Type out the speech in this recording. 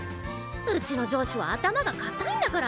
うちの上司は頭が固いんだから！